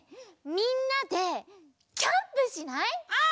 みんなでキャンプしない？